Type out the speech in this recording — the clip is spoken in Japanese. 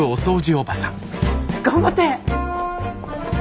頑張って。